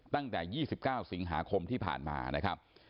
ตั้งแต่๒๙สิงหาคมที่ผ่านมานะครับ